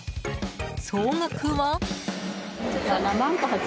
総額は。